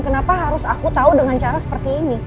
kenapa harus aku tahu dengan cara seperti ini